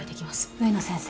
植野先生